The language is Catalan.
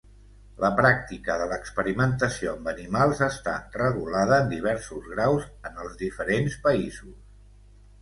La pràctica de l'experimentació amb animals està regulada en diversos graus en els diferents països.